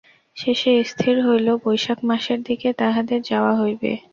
শেষে স্থির হইল বৈশাখ মাসের দিকে তাহদের যাওয়া হইবে।